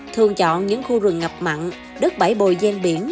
thường chọn những khu rừng ngập mặn đất bãi bồi gian biển